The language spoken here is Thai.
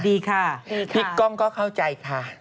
พี่ก้องก็เข้าใจค่ะ